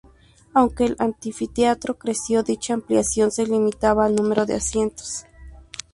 Aunque el anfiteatro creció, dicha ampliación se limitaba al número de asientos.